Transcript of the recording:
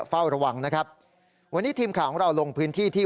เฝ้าระวังนะครับเถียวทีมข่าวเราลงพื้นที่